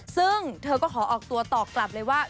ซึ่งเธอก็ขอออกตัวตอบกลับเลยว่า